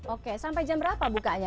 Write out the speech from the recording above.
oke sampai jam berapa bukanya